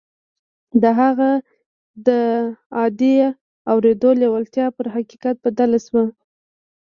د هغه د عادي اورېدو لېوالتیا پر حقیقت بدله شوه